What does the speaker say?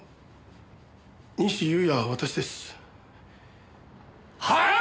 仁志雄也は私です。はあ！？